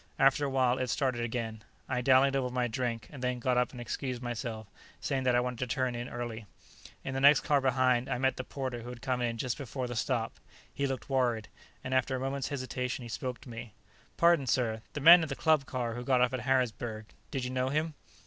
After a while, it started again. I dallied over my drink, and then got up and excused myself, saying that I wanted to turn in early. In the next car behind, I met the porter who had come in just before the stop. He looked worried, and after a moment's hesitation, he spoke to me. "Pardon, sir. The man in the club car who got off at Harrisburg; did you know him?"